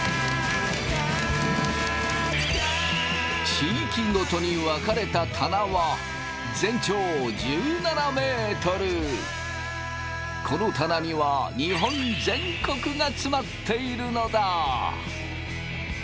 地域ごとに分かれた棚はこの棚には日本全国が詰まっているのだ。